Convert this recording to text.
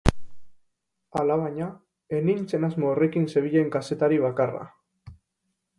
Alabaina, ez nintzen asmo horrekin zebilen kazetari bakarra.